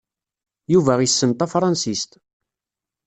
Yuba issen tafṛansist.